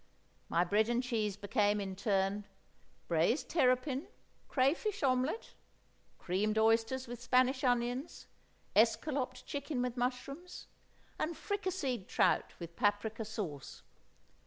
My bread and cheese became, in turn, braised terrapin, crayfish omelette, creamed oysters with Spanish onions, escalloped chicken with mushrooms, and fricaseed trout with paprika sauce.